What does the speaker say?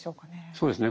そうですね。